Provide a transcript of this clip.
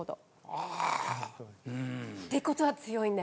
あうん。ってことは強いんだ。